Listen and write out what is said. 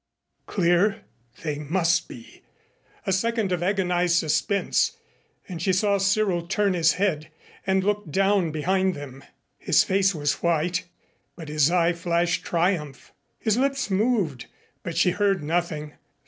Clear? They must be. A second of agonized suspense and she saw Cyril turn his head and look down behind them. His face was white but his eye flashed triumph. His lips moved, but she heard nothing.